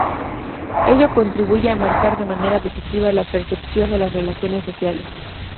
Ello contribuye a marcar de manera decisiva la percepción de las relaciones sociales.